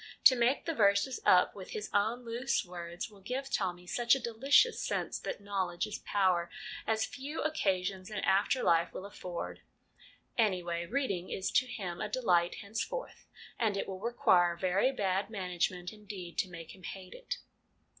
To make the verses up with his own loose words will give Tommy such a delicious sense that knowledge is power, as few occasions in after life will afford. Anyway, reading is to him a delight henceforth, and it will require very bad management indeed to make him hate it.